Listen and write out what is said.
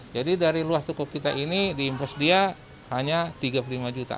jadi dari luas tuku kita ini di invest dia hanya tiga puluh lima juta